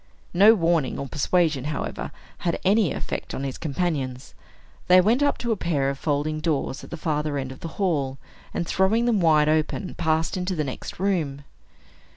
No warning or persuasion, however, had any effect on his companions. They went up to a pair of folding doors at the farther end of the hall, and throwing them wide open, passed into the next room.